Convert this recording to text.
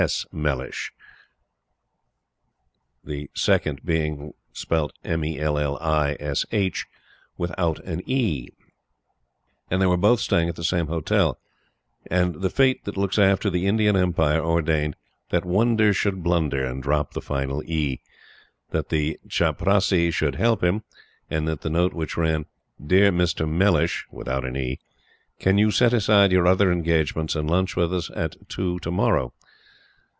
S. Mellish, and they were both staying at the same hotel, and the Fate that looks after the Indian Empire ordained that Wonder should blunder and drop the final "e;" that the Chaprassi should help him, and that the note which ran: "Dear Mr. Mellish. Can you set aside your other engagements and lunch with us at two to morrow?